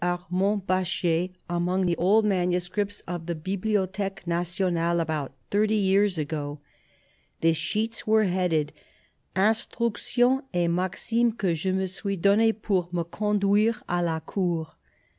Armand Baschet among the old manuscripts of the Bibliothfeque Nationale, about thirty years ago. The sheets are headed, " Instructions et Maximes que je me suis do.nne pour me conduire a la Cour."